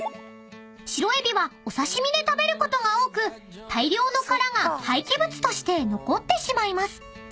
［白エビはお刺し身で食べることが多く大量の殻が廃棄物として残ってしまいます］